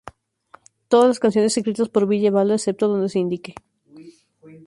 Todas las canciones escritas por Ville Valo, excepto donde se indique.